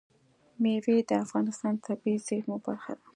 مېوې د افغانستان د طبیعي زیرمو برخه ده.